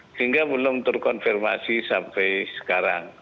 sehingga belum terkonfirmasi sampai sekarang